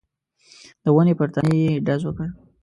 د ونې پر تنې يې ډز وکړ.